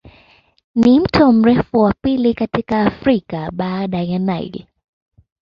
Ni mto mrefu wa pili katika Afrika baada ya Nile.